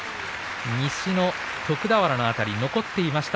西の徳俵の辺り残っていました